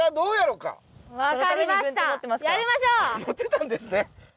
もってたんですね。